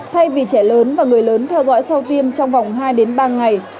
thay vì trẻ lớn và người lớn theo dõi sau tiêm trong vòng hai ba ngày